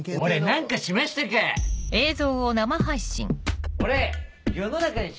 俺何かしましたか